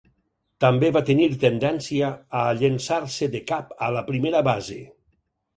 També va tenir tendència a llençar-se de cap a la primera base.